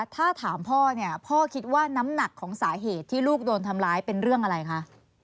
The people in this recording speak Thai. ถ้าถามพ่อเนี่ยพ่อคิดว่าน้ำหนักของสาเหตุที่ลูกโดนทำร้ายเป็นเรื่องอะไรคะ